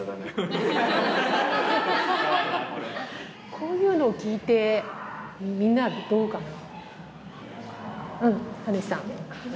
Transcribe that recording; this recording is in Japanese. こういうのを聞いてみんなはどうかな。